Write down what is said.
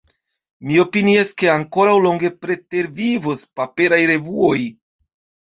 Mi opinias ke ankoraŭ longe pretervivos paperaj revuoj.